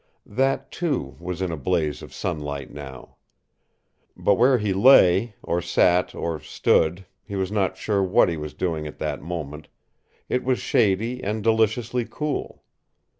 That, too, was in a blaze of sunlight now. But where he lay, or sat, or stood he was not sure what he was doing at that moment it was shady and deliciously cool.